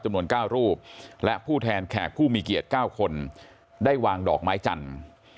จำนวน๙รูปและผู้แทนแขกผู้มีเกียรติ๙คนได้วางดอกไม้จันทร์